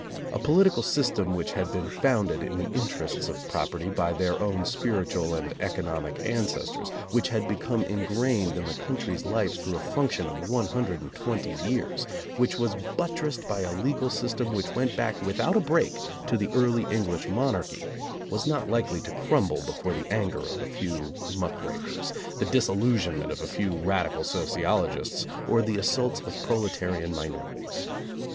A po litical system which had been founded in the inter ests of property by their own spiritual and eco nomic ancestors, which had become ingrained in the country's life through a function of 120 years, which was buttressed by a legal system which went back without a break to the early English mon archy was not likely to crumble before the anger of a few muck rakers, the disillusionment of a few radical sociologists, or the assaults of proletarian minorities.